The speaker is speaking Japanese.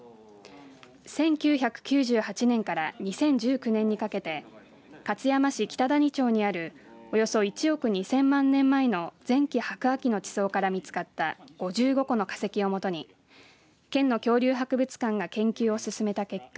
１９９８年から２０１９年にかけて勝山市北谷町にあるおよそ１億２０００万年前の前期白亜紀の地層から見つかった５５個の化石をもとに県の恐竜博物館が研究を進めた結果